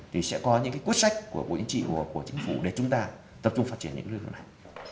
thì sẽ có những quyết sách của bộ chính trị của chính phủ để chúng ta tập trung phát triển những lực lượng này